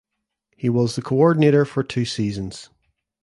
He was the coordinator for two seasons.